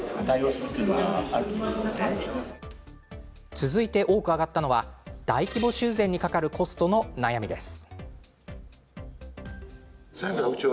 続いて多く挙がったのが大規模修繕にかかるコストの悩みです。